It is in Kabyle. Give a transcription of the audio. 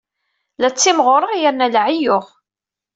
La ttimɣureɣ yerna la ɛeyyuɣ.